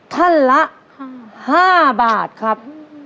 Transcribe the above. ขั้นละ๕บาทครับ